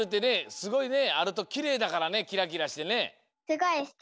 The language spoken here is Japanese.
すごいあるときれいだからねキラキラしてね。